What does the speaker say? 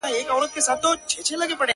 څوك به بولي له آمو تر اباسينه!!